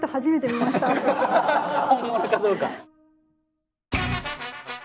本物かどうか。